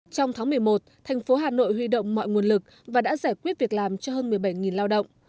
trong tháng một mươi một thành phố hà nội huy động mọi nguồn lực và đã giải quyết việc làm cho hơn một mươi bảy lao động